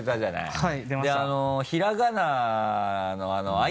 はい。